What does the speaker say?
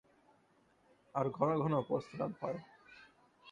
আর ঘন ঘন প্রস্রাব হয়।